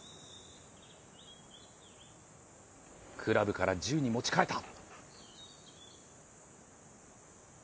クラブから銃に持ち替えた。